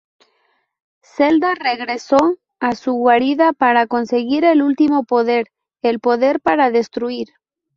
Zelda regresó a su guarida para conseguir el último poder: el poder para destruir.